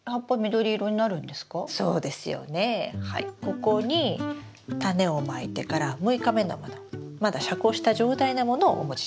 ここにタネをまいてから６日目のものまだ遮光した状態のものをお持ちしました。